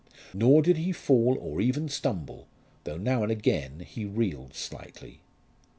Nor did he fall or even stumble, though now and again he reeled slightly.